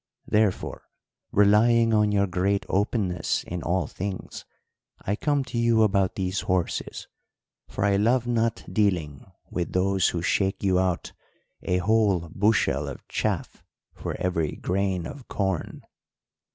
Therefore, relying on your great openness in all things, I come to you about these horses; for I love not dealing with those who shake you out a whole bushel of chaff for every grain of corn.'